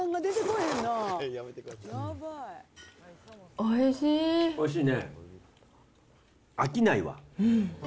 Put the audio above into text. おいしいね。